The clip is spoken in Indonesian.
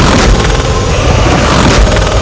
terima kasih kisana